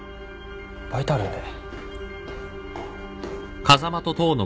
バイトあるんで。